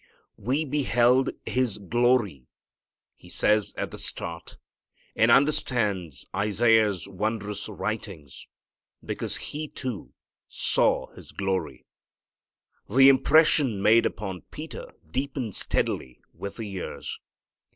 "We beheld His glory" he says at the start, and understands Isaiah's wondrous writings, because he, too, "saw His glory." The impression made upon Peter deepened steadily with the years.